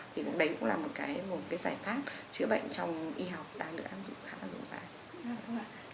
thì đấy cũng là một cái giải pháp chữa bệnh trong y học đáng được án dụng khá là dùng dài